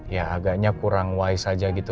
ya agaknya kurang wise saja gitu